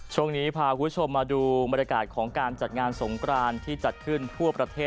ช่วงนี้พาคุณผู้ชมมาดูบรรยากาศของการจัดงานสงกรานที่จัดขึ้นทั่วประเทศ